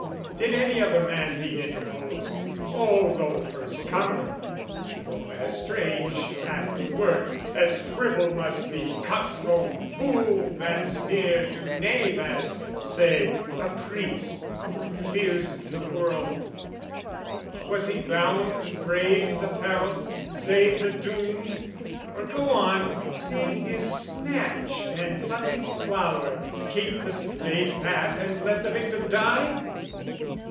Did any other man need interpose Oh, though first comer, though as strange at the work As fribble must be, coxcomb, fool that's near To knave as, say, a priest who fears the world Was he bound brave the peril, save the doomed, Or go on, sing his snatch and pluck his flower, Keep the straight path and let the victim die?